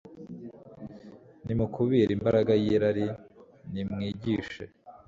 Nimukumire imbaraga yirari nimwigishe